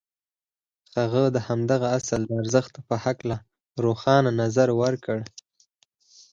هغه د همدغه اصل د ارزښت په هکله روښانه نظر ورکړ.